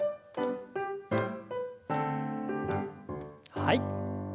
はい。